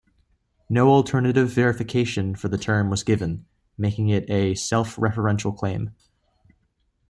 No alternative verification for the term was given, making it a self-referential claim.